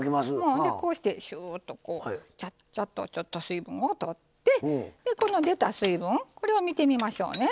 こうしてシューッとちゃっちゃっとちょっと水分を取って出た水分これを見てみましょうね。